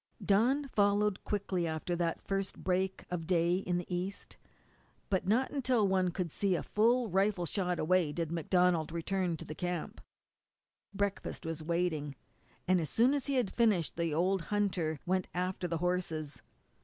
Dawn followed quickly after that first break of day in the east, but not until one could see a full rifle shot away did MacDonald return to the camp. Breakfast was waiting, and as soon as he had finished the old hunter went after the horses.